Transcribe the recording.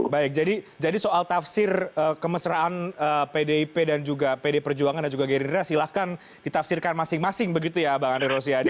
baik jadi soal tafsir kemesraan pdip dan juga pd perjuangan dan juga gerindra silahkan ditafsirkan masing masing begitu ya bang andre rosiade